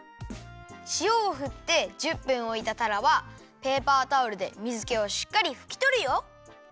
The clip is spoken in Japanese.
しおをふって１０分おいたたらはペーパータオルで水けをしっかりふきとるよ。